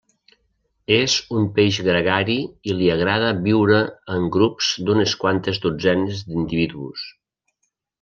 És un peix gregari i l'hi agrada viure en grups d'unes quantes dotzenes d'individus.